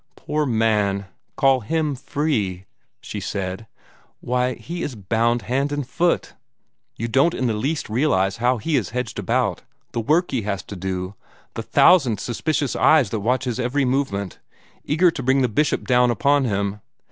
"Poor man, to call HIM free!" she said: "why, he is bound hand and foot. You don't in the least realize how he is hedged about, the work he has to do, the thousand suspicious eyes that watch his every movement, eager to bring the Bishop down upon him.